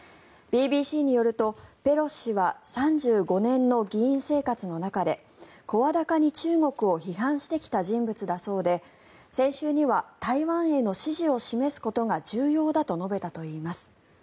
ＢＢＣによるとペロシ氏は３５年の議員生活の中で声高に中国を批判してきた人物だそうで先週には台湾への支持を示すことが重要だと述べたといいます。